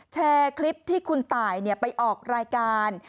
แชร์คลิปที่คุณตายไปออกรายการ